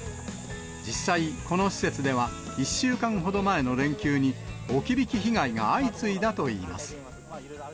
実際、この施設では１週間ほど前の連休に、置き引き被害が相次いだといいます。